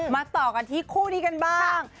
มาต่อกันที่คู่นี้กันบ้าง